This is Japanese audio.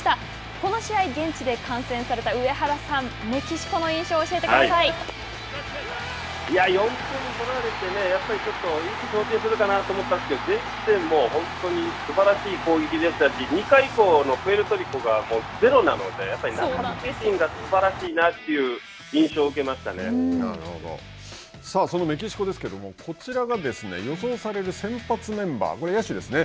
この試合、現地で観戦された上原さん、４点取られてね、やっぱりちょっと意気消沈するかなと思ったんですけど、本当にすばらしい攻撃でしたし、２回以降のプエルトリコがゼロなので、中継ぎ陣がすばらしいというさあ、そのメキシコですけれども、こちらがですね、予想される先発メンバー、これ野手ですね。